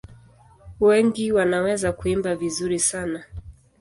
Wengi wanaweza kuimba vizuri sana.